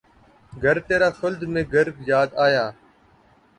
گھر ترا خلد میں گر یاد آیا